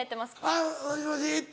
「はいもしもし」って。